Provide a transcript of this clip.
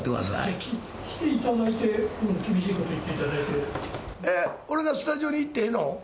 来ていただいて、厳しいことえっ、俺がスタジオに行ってええの？